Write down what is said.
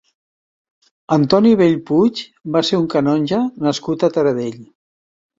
Antoni Bellpuig va ser un canonge nascut a Taradell.